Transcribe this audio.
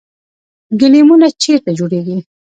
ګلیمونه چیرته جوړیږي؟